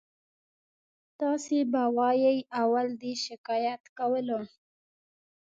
تاسې به وایئ اول دې شکایت کولو.